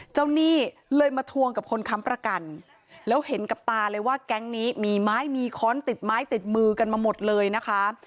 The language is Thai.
หนี้เลยมาทวงกับคนค้ำประกันแล้วเห็นกับตาเลยว่าแก๊งนี้มีไม้มีค้อนติดไม้ติดมือกันมาหมดเลยนะคะ